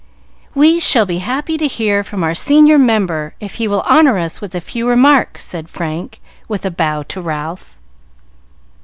"We shall be happy to hear from our senior member if he will honor us with a few remarks," said Frank, with a bow to Ralph.